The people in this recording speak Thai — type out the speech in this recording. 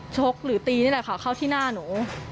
ชกหรือตีนี่แหละค่ะเข้าที่หน้าหนู